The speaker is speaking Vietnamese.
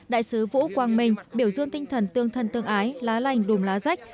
đại sứ vũ quang minh biểu dương tinh thần tương thân tương ái lá lành đùm lá rách